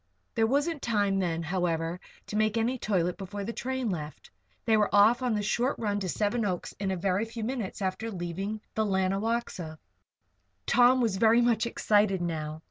There wasn't time then, however, to make any toilet before the train left. They were off on the short run to Seven Oaks in a very few minutes after leaving the Lanawaxa. Tom was very much excited now.